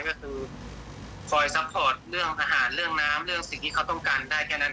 ก็คือคอยซัพพอร์ตเรื่องอาหารเรื่องน้ำเรื่องสิ่งที่เขาต้องการได้แค่นั้น